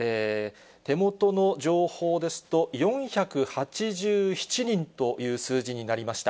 手元の情報ですと、４８７人という数字になりました。